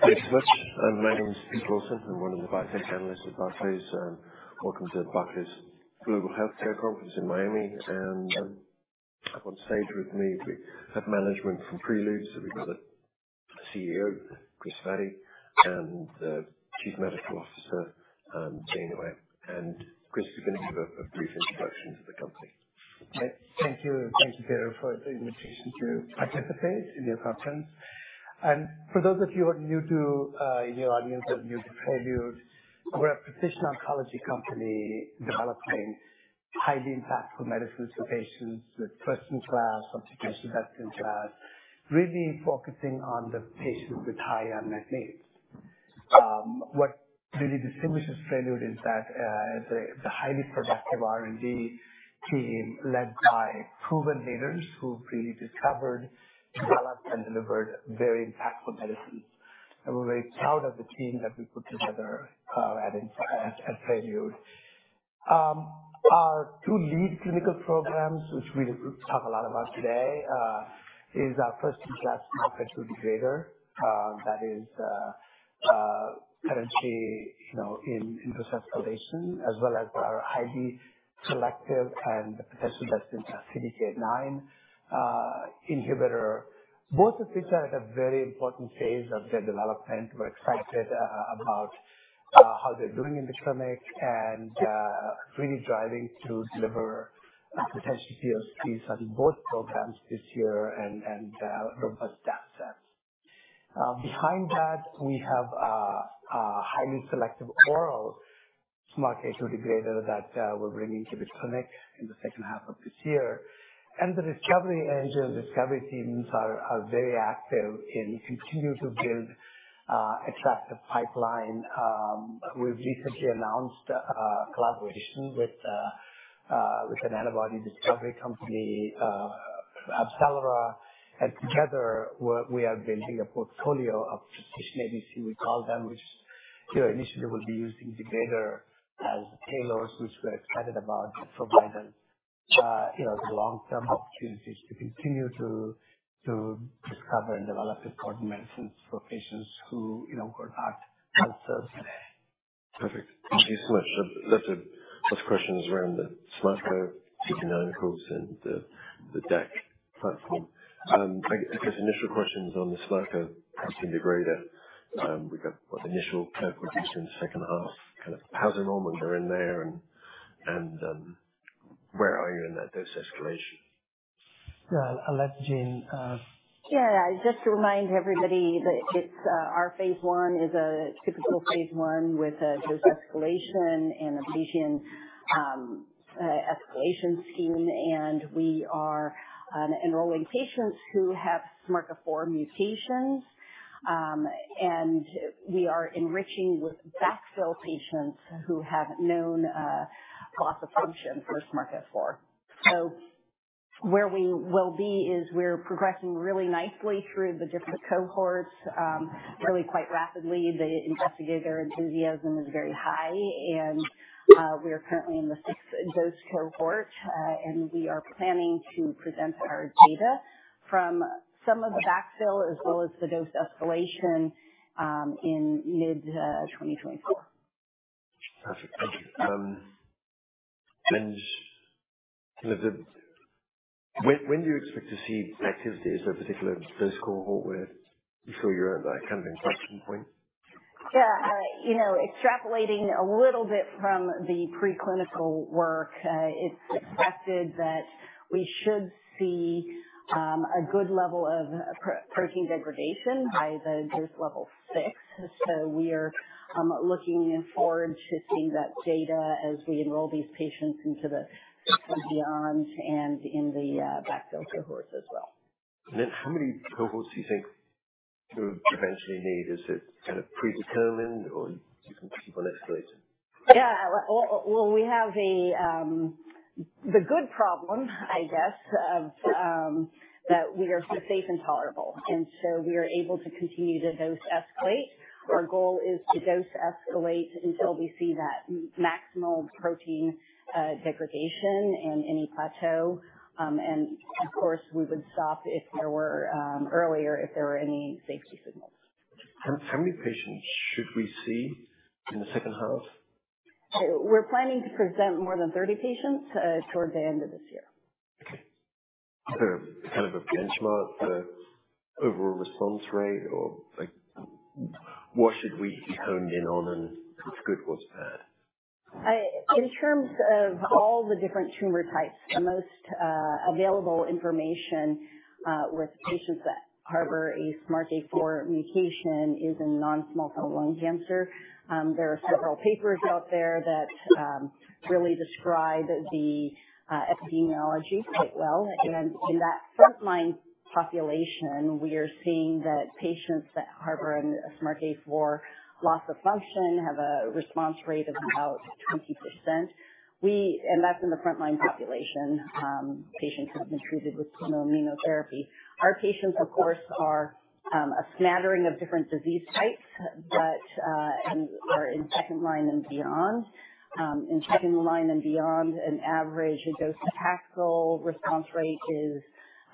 Thanks so much. My name is Peter Wilson. I'm one of the biotech analysts at Barclays, and welcome to Barclays Global Healthcare Conference in Miami. Up on stage with me, we have management from Prelude. We've got the CEO, Kris Vaddi, and the Chief Medical Officer, Jane Huang. Kris, you're going to give a brief introduction to the company. Thank you. Thank you, Peter, for the invitation to participate in your conference. For those of you who are new to, in the audience, that are new to Prelude, we're a precision oncology company developing highly impactful medicines for patients with first-in-class or best-in-class, really focusing on the patients with high unmet needs. What really distinguishes Prelude is that the highly productive R&D team, led by proven leaders who've previously discovered, developed, and delivered very impactful medicines. We're very proud of the team that we put together at Prelude. Our two lead clinical programs, which we talk a lot about today, is our first-in-class SMARCA2 degrader that is currently, you know, in dose escalation as well as our highly selective and potentially best-in-class CDK9 inhibitor. Both of which are at a very important phase of their development. We're excited about how they're doing in the clinic and really driving to deliver a potential POCs on both programs this year and robust data sets. Behind that, we have a highly selective oral SMARCA2 degrader that we're bringing to the clinic in the second half of this year. The discovery engine, discovery teams are very active and continue to build attractive pipeline. We've recently announced a collaboration with an antibody discovery company, AbCellera, and together we are building a portfolio of precision ADCs, we call them, which initially will be used in degrader antibody conjugates, which we're excited about, to provide us, you know, the long-term opportunities to continue to discover and develop important medicines for patients who, you know, got hard cancers. Perfect. Thank you so much. Lots of questions around the SMARCA2, CDK9, of course, and the DAC platform. I guess initial questions on the SMARCA2 degrader. We've got initial proof in the second half, kind of how's the moment they're in there and, where are you in that dose escalation? Yeah, I'll let Jane, Yeah, just to remind everybody that it's our phase 1 is a typical phase 1 with a dose escalation and a patient escalation scheme. And we are enrolling patients who have SMARCA4 mutations, and we are enriching with backfill patients who have known loss of function for SMARCA4. So where we will be is we're progressing really nicely through the different cohorts, really quite rapidly. The investigator enthusiasm is very high, and we are currently in the sixth dose cohort. And we are planning to present our data from some of the backfill as well as the dose escalation, in mid 2024. Perfect. Thank you. And kind of, when do you expect to see activity as a particular dose cohort, where you feel you're at a kind of inflection point? Yeah. You know, extrapolating a little bit from the preclinical work, it's expected that we should see a good level of protein degradation by the dose level 6. So we are looking forward to seeing that data as we enroll these patients into the, and beyond, and in the backfill cohorts as well. Then how many cohorts do you think you would eventually need? Is it kind of predetermined, or you can keep on escalating? Yeah. Well, we have the good problem, I guess, of that we are safe and tolerable, and so we are able to continue to dose escalate. Our goal is to dose escalate until we see that maximal protein degradation and any plateau. And of course, we would stop if there were any safety signals. How many patients should we see in the second half? We're planning to present more than 30 patients, towards the end of this year. Okay. Is there kind of a benchmark for overall response rate or, like, what should we be honed in on and what's good, what's bad? In terms of all the different tumor types, the most available information with patients that harbor a SMARCA4 mutation is in non-small cell lung cancer. There are several papers out there that really describe the epidemiology quite well. And in that first-line population, we are seeing that patients that harbor a SMARCA4 loss of function have a response rate of about 20%. And that's in the front-line population, patients who have been treated with chemo-immunotherapy. Our patients, of course, are a smattering of different disease types, but and are in second line and beyond. In second line and beyond, an average docetaxel response rate is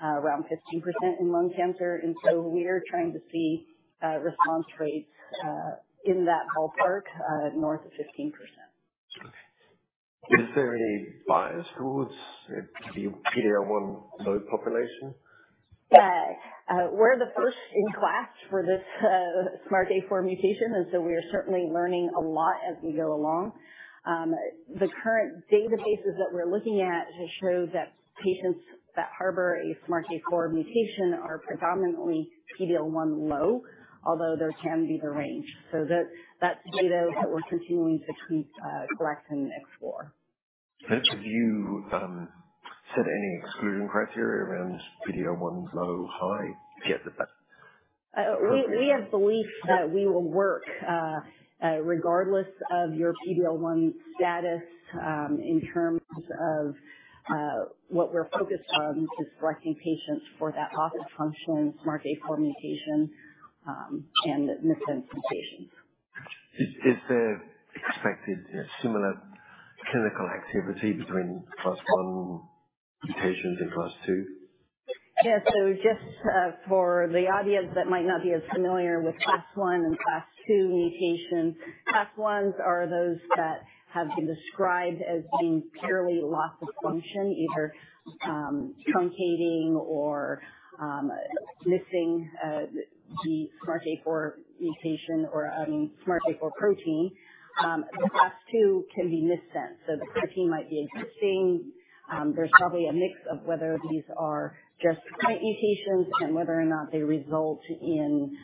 around 15% in lung cancer, and so we're trying to see response rates in that ballpark, north of 15%. Is there any bias towards the PD-L1 low population? We're the first in class for this, SMARCA4 mutation, and so we are certainly learning a lot as we go along. The current databases that we're looking at show that patients that harbor a SMARCA4 mutation are predominantly PD-L1 low, although there can be the range. So that, that's data that we're continuing to keep, correct and explore. Have you, set any exclusion criteria around PD-L1 low, high to get the best? We have belief that we will work regardless of your PD-L1 status. In terms of what we're focused on, is selecting patients for that loss-of-function SMARCA4 mutation, and missense mutations. Is there expected similar clinical activity between class one mutations and class two? Yeah. So just for the audience that might not be as familiar with class one and class two mutations, class ones are those that have been described as being purely loss of function, either truncating or missing the SMARCA4 mutation or, I mean, SMARCA4 protein. The class two can be missense, so the protein might be interesting. There's probably a mix of whether these are just point mutations and whether or not they result in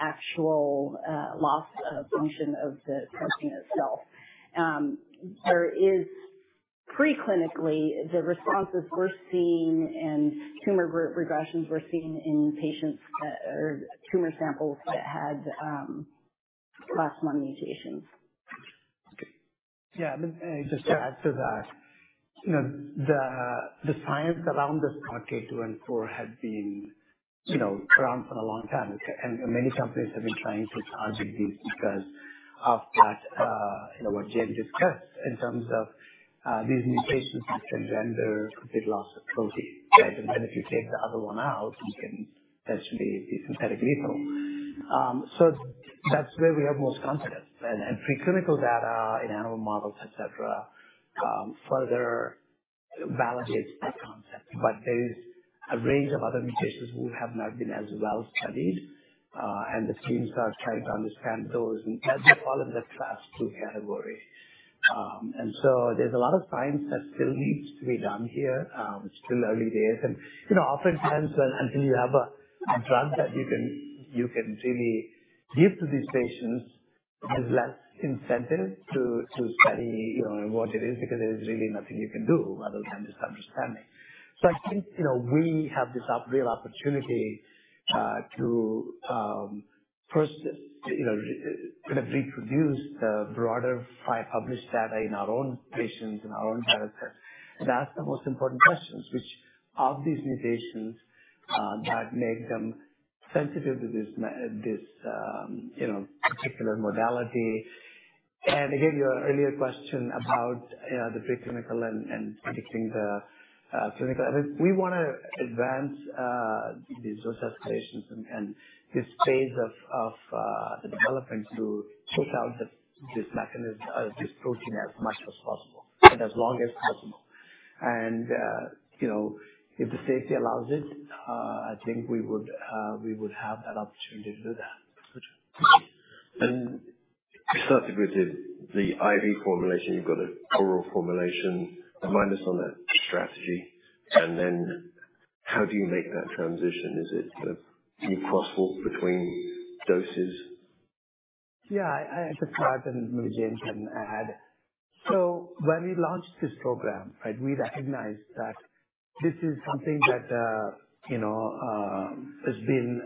actual loss of function of the protein itself. There is, preclinically, the responses we're seeing and tumor regressions we're seeing in patients or tumor samples that had class one mutations. Yeah, and just to add to that, you know, the science around this SMARCA2 and SMARCA4 had been, you know, around for a long time, okay? And many companies have been trying to target this because of that, you know, what Jane discussed in terms of these mutations can render complete loss of protein. And then if you take the other one out, you can potentially be synthetic lethal. So that's where we have most confidence. And preclinical data in animal models, et cetera, further validates that concept. But there is a range of other mutations which have not been as well studied, and the teams are trying to understand those, and they fall in the class two category. And so there's a lot of science that still needs to be done here. It's still early days and, you know, oftentimes until you have a drug that you can really give to these patients, there's less incentive to study, you know, what it is, because there's really nothing you can do other than just understanding. So I think, you know, we have this real opportunity to first, you know, kind of reproduce the broader five published data in our own patients, in our own cohort, and ask the most important questions, which of these mutations that make them sensitive to this, you know, particular modality. And again, your earlier question about the preclinical and predicting the clinical. I mean, we wanna advance these associations and this phase of the development to take out this mechanism, this protein, as much as possible and as long as possible. And you know, if the safety allows it, I think we would have that opportunity to do that. You started with the IV formulation. You've got an oral formulation. Remind us on that strategy, and then how do you make that transition? Is it a deep crosswalk between doses? Yeah, I subscribe, and maybe Jane can add. So when we launched this program, right, we recognized that this is something that, you know, has been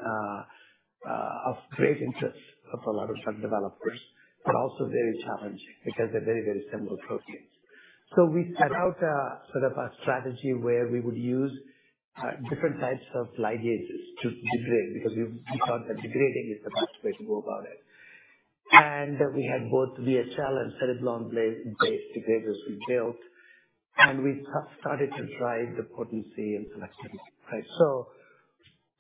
of great interest of a lot of drug developers, but also very challenging because they're very, very similar proteins. So we set out a sort of a strategy where we would use different types of ligases to degrade, because we, we thought that degrading is the best way to go about it. And we had both VHL and cereblon-based degraders we built, and we started to drive the potency and selectivity, right? So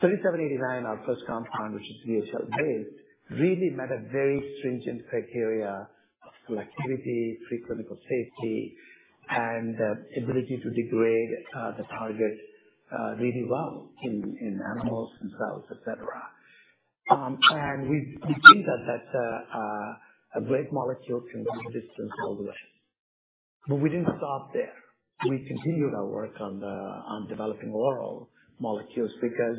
3789, our first compound, which is VHL-based, really met a very stringent criteria of selectivity, preclinical safety, and the ability to degrade the target really well in animals and cells, et cetera. And we think that that's a great molecule can go the distance all the way. But we didn't stop there. We continued our work on developing oral molecules because,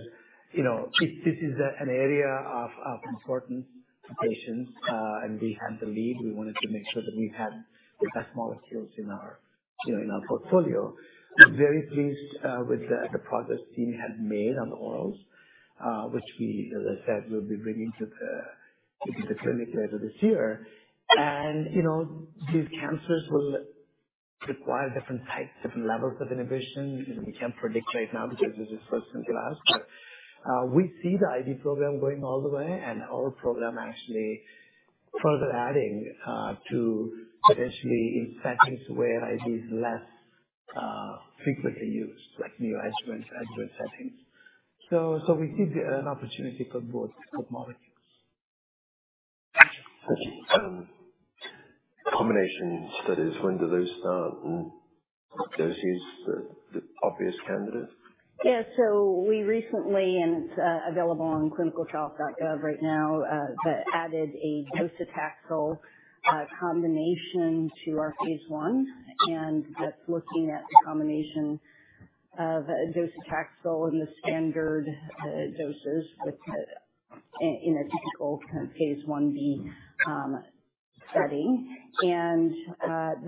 you know, if this is an area of importance to patients, and we had the lead, we wanted to make sure that we had the best molecules in our, you know, in our portfolio. We're very pleased with the progress team had made on the orals, which we, as I said, we'll be bringing to the clinic later this year. And, you know, these cancers will require different types, different levels of inhibition. We can't predict right now because this is first-in-class, but we see the IV program going all the way, and our program actually further adding to potentially in settings where IV is less frequently used, like neo-adjuvant, adjuvant settings. So we see an opportunity for both molecules. Thank you. Combination studies, when do those start, and those use the, the obvious candidates? Yeah, so we recently, and it's available on ClinicalTrials.gov right now, that added a docetaxel combination to our phase 1. And that's looking at the combination of docetaxel in the standard doses with the, in a typical kind of phase 1b study. And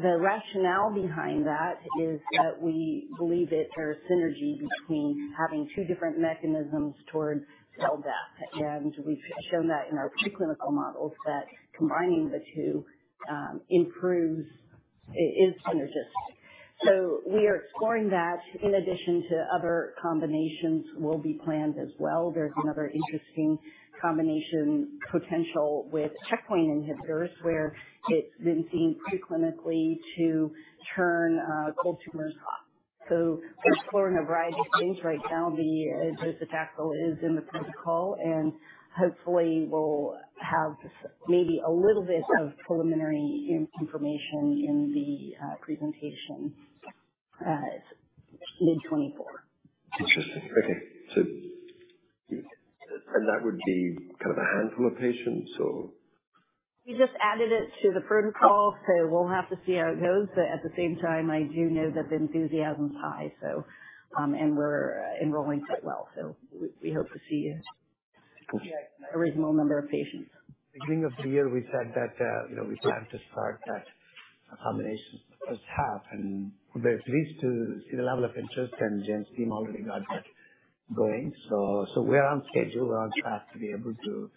the rationale behind that is that we believe that there is synergy between having two different mechanisms towards cell death. And we've shown that in our preclinical models, that combining the two improves—is synergistic. So we are exploring that in addition to other combinations will be planned as well. There's another interesting combination potential with checkpoint inhibitors, where it's been seen preclinically to turn cold tumors off. So we're exploring a variety of things right now. The docetaxel is in the protocol, and hopefully we'll have maybe a little bit of preliminary information in the presentation, mid-2024. Interesting. Okay. So, and that would be kind of a handful of patients, or? We just added it to the protocol, so we'll have to see how it goes. But at the same time, I do know that the enthusiasm is high, so, and we're enrolling quite well, so we hope to see a reasonable number of patients. Beginning of the year, we said that, you know, we plan to start that combination as half, and but at least to see the level of interest and team already got that going. So, so we are on schedule. We're on track to be able to,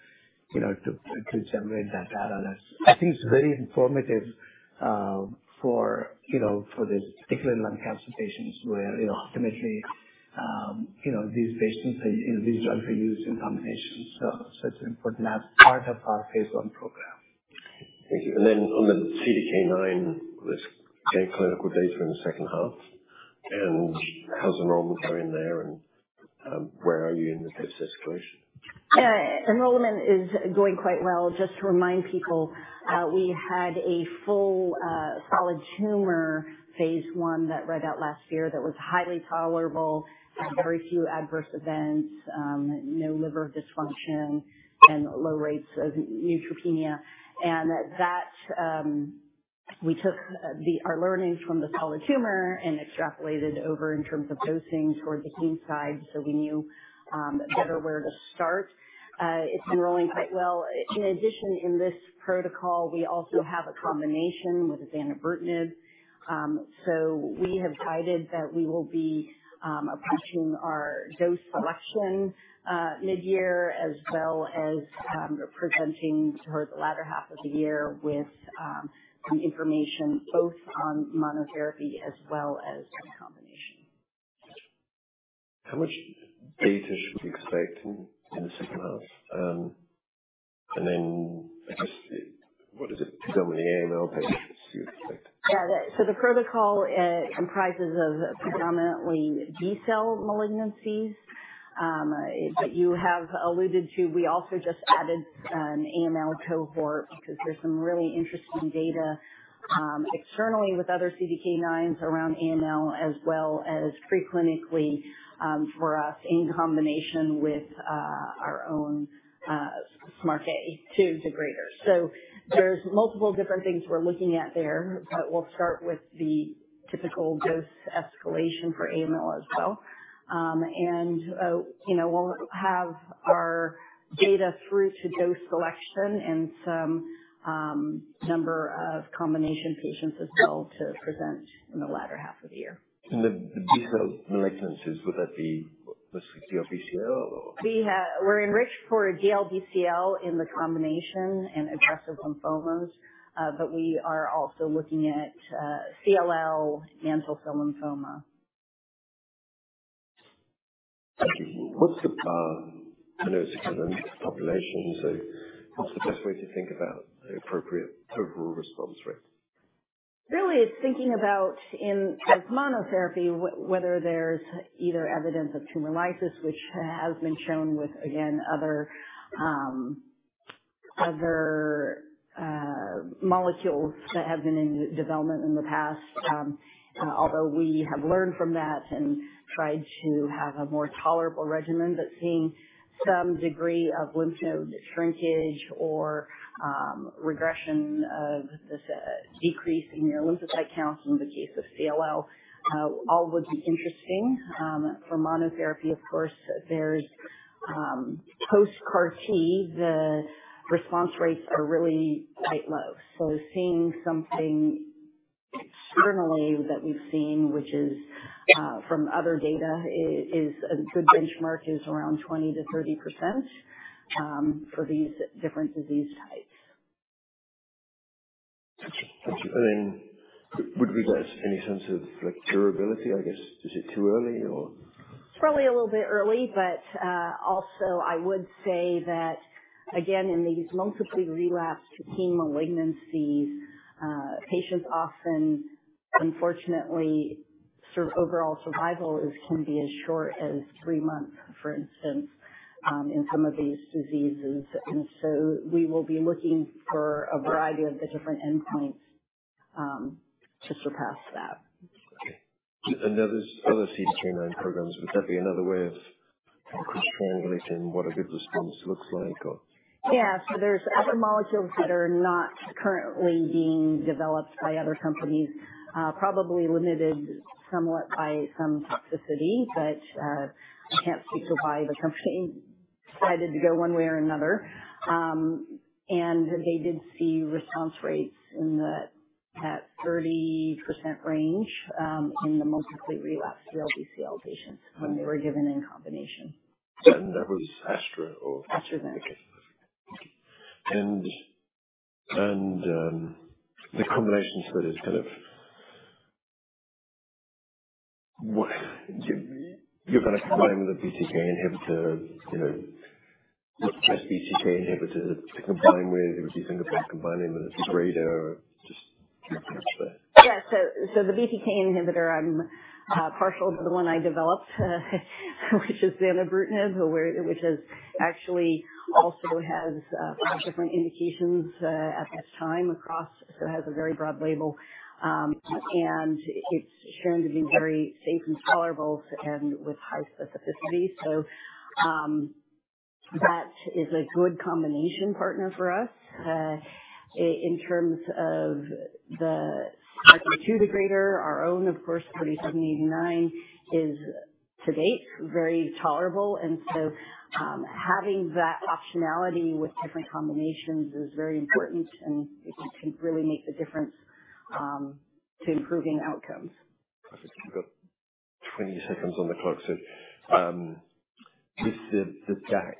you know, to, to generate that data that's, I think, is very informative, for, you know, for this particular lung cancer patients where, you know, ultimately, you know, these patients and, you know, these drugs are used in combination. So, so it's an important part of our phase 1 program. Thank you. And then on the CDK9, with clinical data in the second half, and how's the enrollments going there, and where are you in the dose escalation? Enrollment is going quite well. Just to remind people, we had a full solid tumor phase 1 that read out last year that was highly tolerable, had very few adverse events, no liver dysfunction and low rates of neutropenia. And that, we took our learnings from the solid tumor and extrapolated over in terms of dosing towards the heme side, so we knew better where to start. It's enrolling quite well. In addition, in this protocol, we also have a combination with zanubrutinib. So we have guided that we will be approaching our dose selection mid-year, as well as presenting towards the latter half of the year with some information both on monotherapy as well as in combination. How much data should we expect in the second half? And then I guess, what is it, predominantly AML that you'd expect? Yeah. So the protocol comprises of predominantly B-cell malignancies. But you have alluded to, we also just added an AML cohort because there's some really interesting data externally with other CDK9s around AML, as well as preclinically for us in combination with our own SMARCA2 degrader. So there's multiple different things we're looking at there, but we'll start with the typical dose escalation for AML as well. And you know, we'll have our data through to dose selection and some number of combination patients as well to present in the latter half of the year. The B-cell malignancies, would that be specifically follicular or? We're enriched for DLBCL in the combination and aggressive lymphomas, but we are also looking at CLL mantle cell lymphoma. Thank you. What's the, I know it's a different population, so what's the best way to think about the appropriate total response rate? Really, it's thinking about in, as monotherapy, whether there's either evidence of tumor lysis, which has been shown with, again, other molecules that have been in development in the past. Although we have learned from that and tried to have a more tolerable regimen, but seeing some degree of lymph node shrinkage or, regression of this decrease in your lymphocyte count in the case of CLL, all would be interesting. For monotherapy, of course, there's post-CAR-T, the response rates are really quite low. So seeing something externally that we've seen, which is from other data, is a good benchmark, is around 20%-30%, for these different disease types. Thank you. Thank you. And then would we get any sense of, like, durability, I guess? Is it too early or? It's probably a little bit early, but also, I would say that, again, in these multiply relapsed leukemia malignancies, patients often, unfortunately... So overall survival is, can be as short as three months, for instance, in some of these diseases. And so we will be looking for a variety of the different endpoints to surpass that. Okay. And there's other CDK9 programs. Would that be another way of kind of constraining what a good response looks like or? Yeah. So there's other molecules that are not currently being developed by other companies, probably limited somewhat by some toxicity. But, I can't speak to why the company decided to go one way or another. And they did see response rates in the, that 30% range, in the multiply relapsed DLBCL patients when they were given in combination. That was Astra or? AstraZeneca. Okay. The combinations that is kind of what you're gonna combine with a BTK inhibitor, you know, just BTK inhibitor to combine with, combining with zanubrutinib. Yeah. So the BTK inhibitor, I'm partial to the one I developed, which is zanubrutinib, which actually also has five different indications at this time across. So has a very broad label. And it's shown to be very safe and tolerable and with high specificity. So that is a good combination partner for us. In terms of the two degrader, our own, of course, thirty-seven eighty-nine, is to date, very tolerable. And so having that optionality with different combinations is very important, and it can really make the difference to improving outcomes. I've got 20 seconds on the clock. So, this is the DAC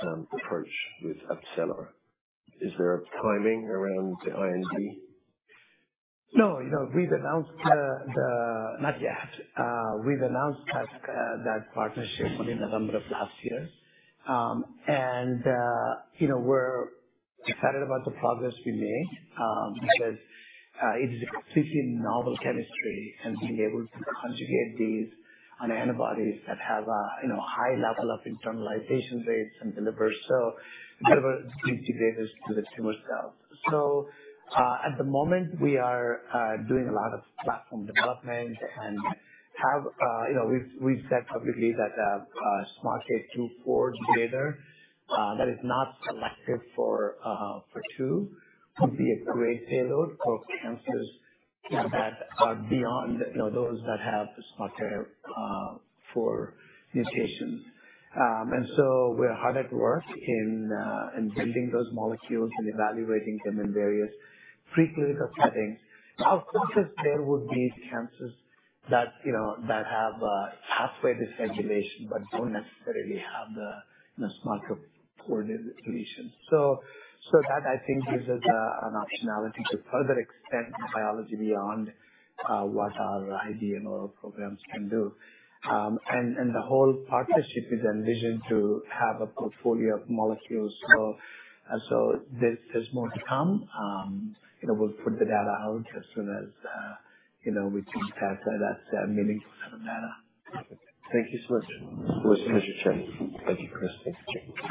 approach with AbCellera. Is there a timing around the IND? No, you know, we've announced the... Not yet. We've announced that partnership in November of last year. And, you know, we're excited about the progress we made, because it is a completely novel chemistry and being able to conjugate these on antibodies that have a, you know, high level of internalization rates and deliver, so deliver these to the tumor cells. So, at the moment, we are doing a lot of platform development and have, you know, we've said publicly that SMARCA4 degrader that is not selective for 2 would be a great payload for cancers that are beyond, you know, those that have SMARCA4 mutations. And so we're hard at work in building those molecules and evaluating them in various preclinical settings. Of course, there would be cancers that, you know, that have halfway dysregulation, but don't necessarily have the SMARCA4 deletion. So that, I think, gives us an optionality to further extend the biology beyond what our IDMO programs can do. And the whole partnership is envisioned to have a portfolio of molecules. So, there's more to come. You know, we'll put the data out as soon as, you know, we think that that's a meaningful set of data. Thank you so much. It was a pleasure, Jane. Thank you, Kris. Thank you.